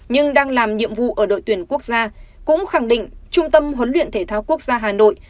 nhưng đang làm nhiệm vụ ở đội tuyển quốc gia cũng khẳng định trung tâm huấn luyện thể thao quốc gia hà nội